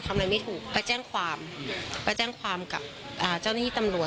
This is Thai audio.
ทำอะไรไม่ถูกไปแจ้งความไปแจ้งความกับเจ้าหน้าที่ตำรวจ